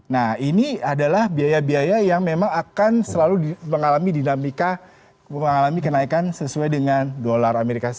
nah ini adalah biaya biaya yang memang akan selalu mengalami dinamika mengalami kenaikan sesuai dengan dolar as